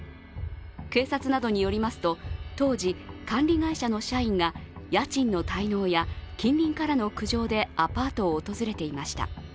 警察などによりますと当時、管理会社の社員が家賃の滞納や近隣からの苦情でアパートを訪れていました。